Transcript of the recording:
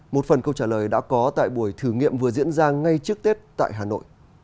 một phần câu trả lời đã có tại buổi thử nghiệm vừa diễn ra ngay trước tết tại hà nội